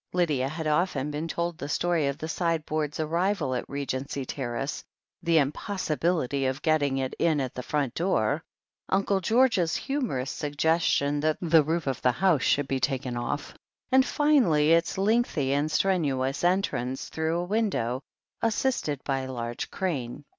Lydia had often been told the story of the sideboard's arrival at Regency Terrace — ^the impossi bility of getting it in at the front door — ^Uncle George's humorous suggestion that the roof of the house should be taken off — and finally its lengthy and strenuous entrance through a window, assisted by a large crane.